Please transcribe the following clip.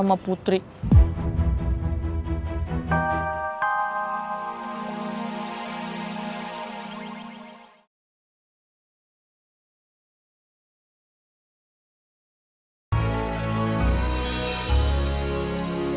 waktunya gue caps